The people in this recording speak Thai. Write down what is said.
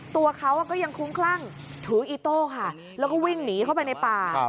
ตัวเขาก็ยังคุ้มคลั่งถืออีโต้ค่ะแล้วก็วิ่งหนีเข้าไปในป่า